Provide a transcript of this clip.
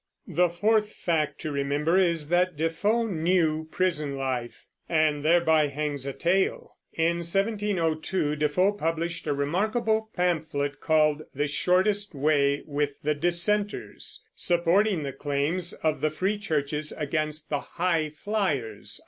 The fourth fact to remember is that Defoe knew prison life; and thereby hangs a tale. In 1702 Defoe published a remarkable pamphlet called "The Shortest Way with the Dissenters," supporting the claims of the free churches against the "High Fliers," i.